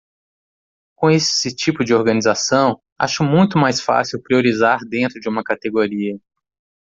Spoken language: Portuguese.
Com esse tipo de organização, acho muito mais fácil priorizar dentro de uma categoria.